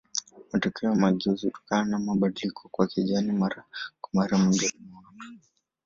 Matokeo ya mageuzi hutokana na mabadiliko kwa jeni mara kwa mara miongoni mwa watu.